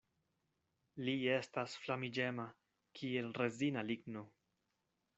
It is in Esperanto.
Li estas flamiĝema kiel rezina ligno.